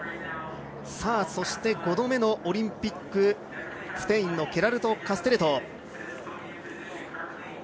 そして、５度目のオリンピックスペインのケラルト・カステリェト。